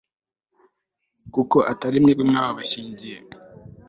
kuko atari mwebwe mwababashyingiye